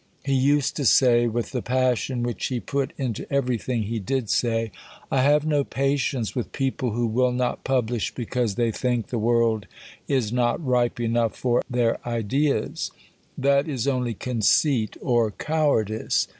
He used to say, with the passion which he put into everything he did say: "I have no patience with people who will not publish because they think the world is not ripe enough for their ideas: that is only conceit or cowardice.